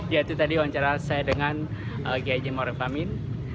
ya itu tadi wawancara saya dengan giai jemurifamin